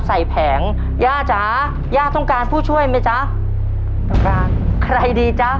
แผงย่าจ๋าย่าต้องการผู้ช่วยไหมจ๊ะต้องการใครดีจ๊ะ